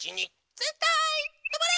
ぜんたいとまれ！